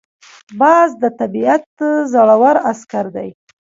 باز د طبیعت زړور عسکر دی